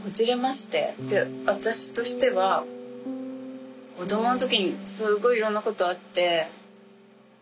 で私としては子供の時にすごいいろんなことあって。